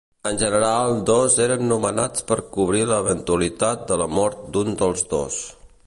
En general, dos eren nomenats per cobrir l'eventualitat de la mort d'un dels dos.